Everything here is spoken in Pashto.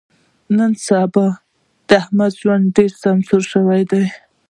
نن سبا د احمد ژوند ډېر سمسور شوی دی.